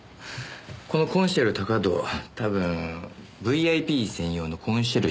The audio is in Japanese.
このコンシェル高堂は多分ＶＩＰ専用のコンシェルジュですね。